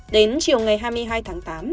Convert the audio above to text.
đến chiều ngày hai mươi hai tháng tám